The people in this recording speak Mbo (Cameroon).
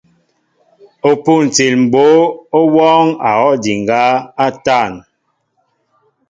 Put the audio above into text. O pûntil mbǒ ó wɔɔŋ a hɔw ndiŋgá a tȃn.